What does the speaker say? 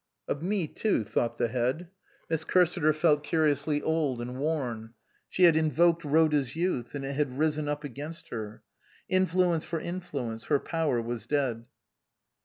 " Of me too," thought the Head. Miss Cursi ter felt curiously old and worn. She had invoked Rhoda's youth and it had risen up against her. Influence for influence, her power was dead.